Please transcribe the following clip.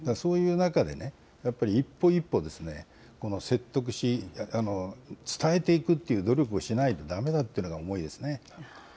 そういう中でね、やっぱり一歩一歩説得し、伝えていくっていう努力をしないとだめだっていう思いですね。